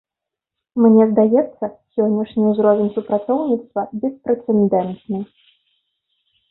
Мне здаецца, сённяшні ўзровень супрацоўніцтва беспрэцэдэнтны.